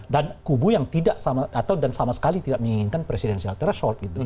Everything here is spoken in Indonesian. dan kubu yang sama sekali tidak menginginkan presidensial threshold